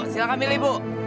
silahkan pilih bu